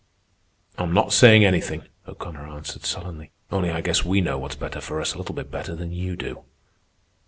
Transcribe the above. "I'm not saying anything," O'Connor answered sullenly. "Only I guess we know what's best for us a little bit better than you do."